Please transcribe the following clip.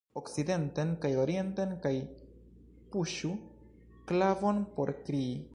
Okcidenten kaj orienten kaj puŝu klavon por krii.